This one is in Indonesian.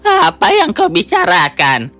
apa yang kau bicarakan